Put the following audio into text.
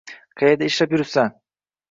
Qaerda ishlab yuribsan